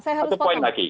satu poin lagi